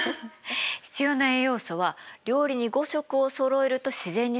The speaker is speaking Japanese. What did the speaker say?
必要な栄養素は料理に５色をそろえると自然にそろうっていわれてるの。